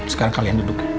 sekarang kalian duduk ya